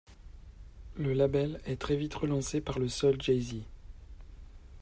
Le label est très vite relancé par le seul Jay-Z.